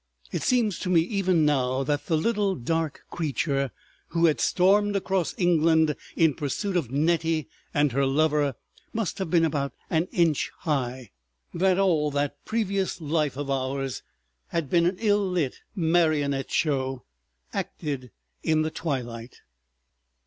It seems to me even now that the little dark creature who had stormed across England in pursuit of Nettie and her lover must have been about an inch high, that all that previous life of ours had been an ill lit marionette show, acted in the twilight.